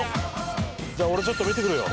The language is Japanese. じゃあ俺ちょっと見てくるよ。